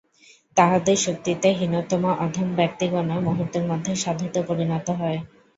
তাঁহাদের শক্তিতে হীনতম অধম ব্যক্তিগণও মুহূর্তের মধ্যে সাধুতে পরিণত হয়।